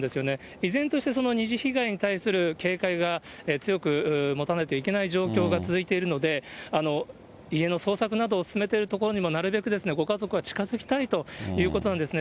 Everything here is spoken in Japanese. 依然としてその二次被害に対する警戒が強く持たないといけない状況が続いているので、家の捜索などを進めてる所にも、なるべくご家族は近づきたいということなんですね。